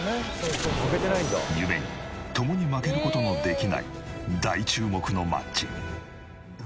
故に共に負ける事のできない大注目のマッチ。